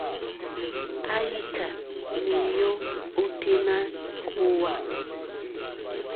Àyíkâ méěyó ôténá kòòhwà.